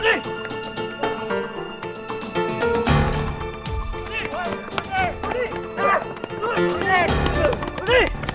gimana nih kalau udah kayak gini